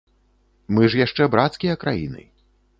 Мы ж яшчэ брацкія краіны.